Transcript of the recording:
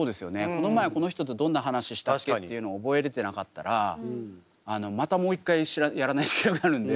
この前この人とどんな話したっけっていうのを覚えれてなかったらまたもう一回やらないといけなくなるんで。